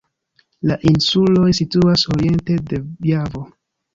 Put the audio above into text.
La insuloj situas oriente de Javo.